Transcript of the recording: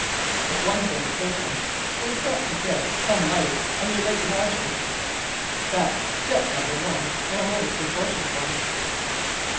But one thing's certain: we've got to get some light on your late lodger. That's step number one and a most important one."